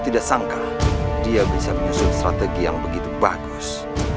tidak sangka dia bisa menyusun strategi yang begitu bagus